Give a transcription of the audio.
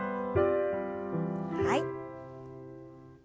はい。